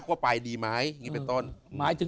เข้าไปดีไหม